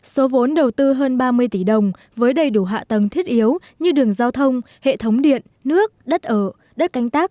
số vốn đầu tư hơn ba mươi tỷ đồng với đầy đủ hạ tầng thiết yếu như đường giao thông hệ thống điện nước đất ở đất canh tác